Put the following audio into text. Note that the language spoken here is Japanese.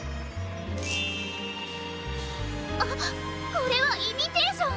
これはイミテーション！